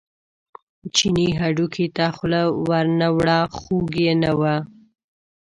چیني هډوکي ته خوله ور نه وړه خوږ یې نه و.